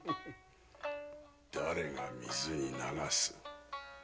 誰が水に流す。